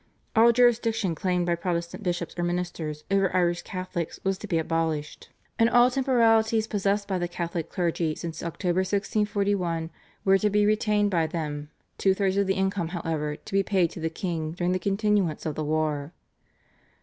All jurisdiction claimed by Protestant bishops or ministers over Irish Catholics was to be abolished, and all temporalities, possessed by the Catholic clergy since October 1641, were to be retained by them, two thirds of the income, however, to be paid to the king during the continuance of the war.